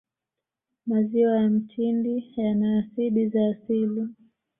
maziwa ya mtindi yana asidi za asili